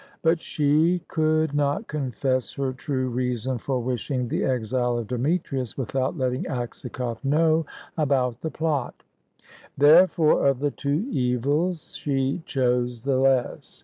But she could not confess her true reason for wishing the exile of Demetrius without letting Aksakoff know about the plot; therefore, of the two evils she chose the less.